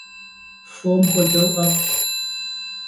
Фом хуэдэу ӏэфӏщ.